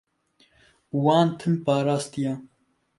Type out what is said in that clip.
û wan tim parastiye.